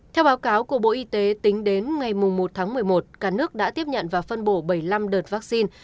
theo báo cáo của bộ y tế tính đến ngày một tháng một mươi một cả nước đã tiếp nhận và phân bổ bảy mươi năm đợt vaccine